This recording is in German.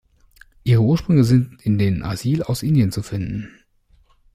Ihre Ursprünge sind in den Asil aus Indien zu finden.